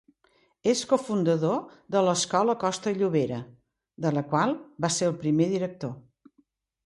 És cofundador de l'Escola Costa i Llobera, de la qual va ser el primer director.